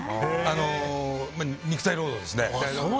肉体労働ですね。